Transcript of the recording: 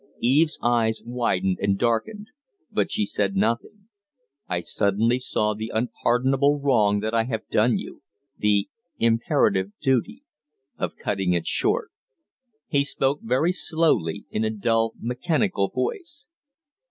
Eve's eyes widened and darkened, but she said nothing. "I suddenly saw the unpardonable wrong that I have done you the imperative duty of cutting it short." He spoke very slowly, in a dull, mechanical voice.